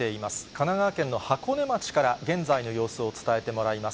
神奈川県の箱根町から現在の様子を伝えてもらいます。